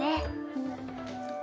うん。